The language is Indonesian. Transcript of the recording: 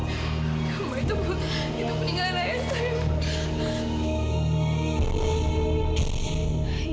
mbak itu peninggalan ayah saya